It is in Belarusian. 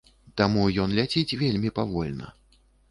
Таму ён ляціць вельмі павольна.